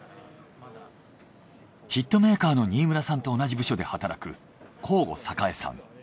ヒットメーカーの新村さんと同じ部署で働く向後栄さん。